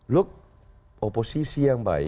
look oposisi yang baik